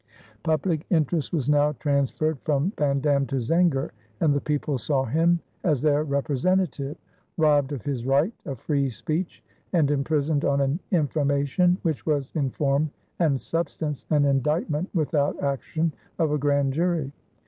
Public interest was now transferred from Van Dam to Zenger, and the people saw him as their representative, robbed of his right of free speech and imprisoned on an "information" which was in form and substance an indictment without action of a grand jury.